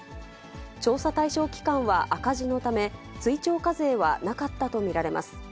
調査対象期間は赤字のため、追徴課税はなかったと見られます。